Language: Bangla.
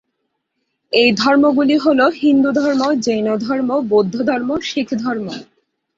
এই ধর্মগুলি হল হিন্দুধর্ম, জৈনধর্ম, বৌদ্ধধর্ম ও শিখধর্ম।